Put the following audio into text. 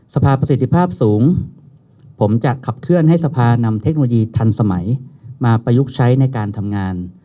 ประสิทธิภาพสูงผมจะขับเคลื่อนให้สภานำเทคโนโลยีทันสมัยมาประยุกต์ใช้ในการทำงาน